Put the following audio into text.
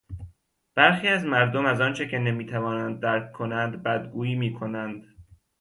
برخی از مردم از آنچه که نمیتوانند درک کنند بدگویی میکنند.